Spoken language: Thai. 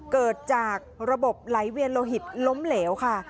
เกิดจากระบบไหลเวียนโลหิตล้มเหลวค่ะ